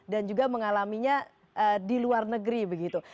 dan juga mengalaminya di luar negeri begitu